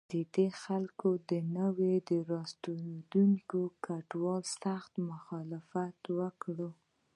دې خلکو د نویو راستنېدونکو کډوالو سخت مخالفت وکړ.